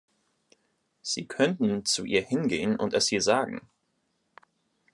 Sie könnten zu ihr hingehen und es ihr sagen.